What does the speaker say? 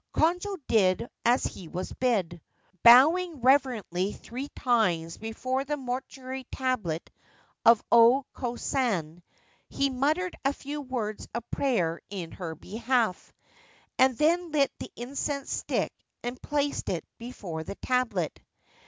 Konojo did as he was bid. Bowing reverently three times before the mortuary tablet of O Ko San, he muttered a few words of prayer in her behalf, and then lit the incense stick and placed it before the tablet.